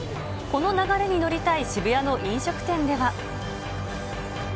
この流れに乗りたい渋谷の飲食店では。